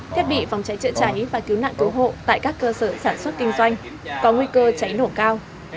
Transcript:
thiết bị phòng cháy chữa cháy và cứu nạn cứu hộ tại các cơ sở sản xuất kinh doanh có nguy cơ cháy nổ cao